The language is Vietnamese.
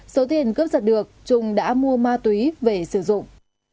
số tiền cướp giật được trung đã mua ma túy về sử dụng